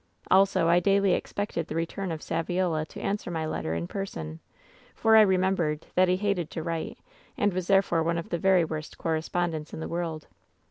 Also, I daily expected the return of Saviola to answer my letter in person — for I remembered that he hated to write, and was therefore one of the very worst correspondents in the world.